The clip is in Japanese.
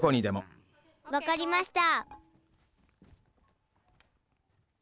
わかりました。